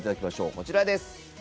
こちらです。